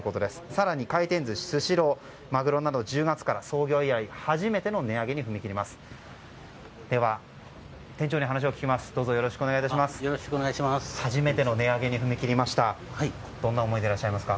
更に回転寿司スシローマグロなど１０月から創業以来初めての値上げに踏み切ります。